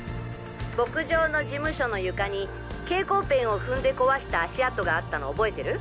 牧場の事務所の床に蛍光ペンを踏んで壊した足跡があったの覚えてる？